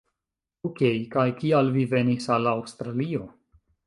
Okej, kaj kial vi venis al Aŭstralio?